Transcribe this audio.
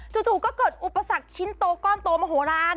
จู่ก็เกิดอุปสรรคชิ้นโตก้อนโตมโหลาน